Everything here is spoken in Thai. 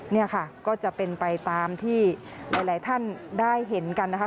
นี่ค่ะก็จะเป็นไปตามที่หลายท่านได้เห็นกันนะคะ